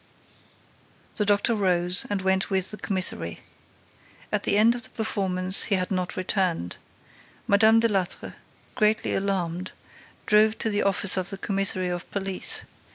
The doctor rose and went with the commissary. At the end of the performance, he had not returned. Mme. Delattre, greatly alarmed, drove to the office of the commissary of police.